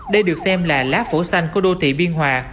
đây được xem là lá phổi xanh của đô thị biên hòa